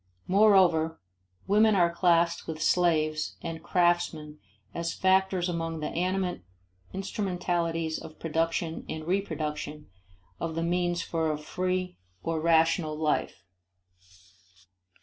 Moreover, women are classed with slaves and craftsmen as factors among the animate instrumentalities of production and reproduction of the means for a free or rational life.